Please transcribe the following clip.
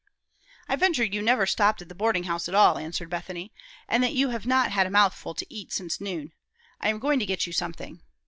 "I venture you never stopped at the boarding house at all," answered Bethany, "and that you have not had a mouthful to eat since noon. I am going to get you something.